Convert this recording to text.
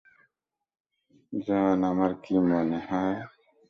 জান আমার কি মনে হয়?